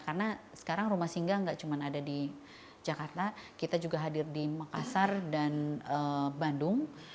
karena sekarang rumah singgah nggak cuma ada di jakarta kita juga hadir di makassar dan bandung